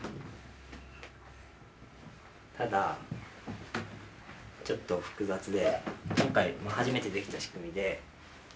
ただちょっと複雑で今回初めて出来た仕組みで。